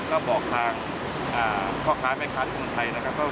ก็บอกทางห้อค้าแม่ค้าในกรุ่งไทย